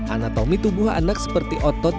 anatomi tubuh anak seperti otot jantung dan jantung